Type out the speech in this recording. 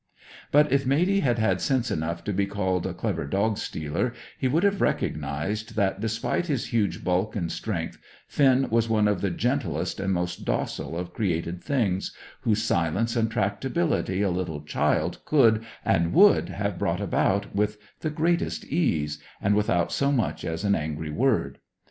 But if Matey had had sense enough to be called a clever dog stealer, he would have recognised that, despite his huge bulk and strength, Finn was one of the gentlest and most docile of created things, whose silence and tractability a little child could and would have brought about with the greatest ease, and without so much as an angry word.